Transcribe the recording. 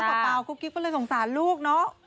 เปล่ากุ๊กกิ๊บก็เลยสงสารลูกเนอะ